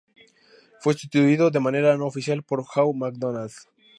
Fue sustituido de manera no oficial por Hugh McDonald.